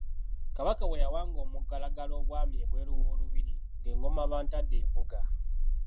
Kabaka bwe yawanga omugalagala obwami ebweru w’olubiri ng’engoma Bantadde evuga.